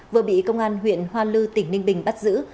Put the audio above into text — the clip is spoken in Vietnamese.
vừa bị công an huyện hoa lư tỉnh ninh bình bắt giữ